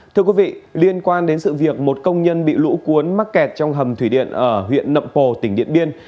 thưa quý vị liên quan đến sự việc một công nhân bị lũ cuốn mắc kẹt trong hầm thủy điện ở huyện nậm pồ tỉnh điện biên